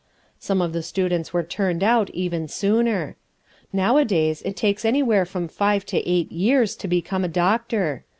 Some of the students were turned out even sooner. Nowadays it takes anywhere from five to eight years to become a doctor.